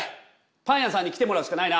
パン屋さんに来てもらうしかないな。